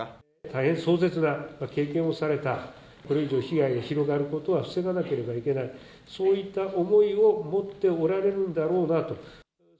大変、壮絶な経験をされた、これ以上被害が広がることは防がなければいけない、そういった思いを持っておられるんだろうなと。